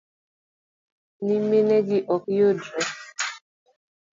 nyiminegi ok yudre